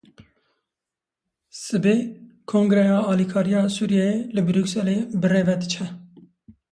Sibê kongreya alîkariya Sûriyeyê, li Brukselê birêve diçe.